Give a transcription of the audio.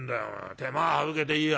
手間が省けていいや。